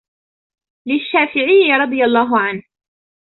لِلشَّافِعِيِّ رَضِيَ اللَّهُ عَنْهُ